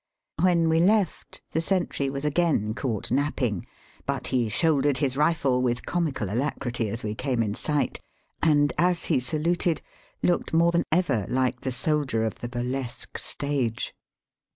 "When we left, the sentry was again caught napping ; but he shouldered his rifle with comical alacrity as we came in sight, and as he saluted, looked more than ever like the soldier of the burlesque stage.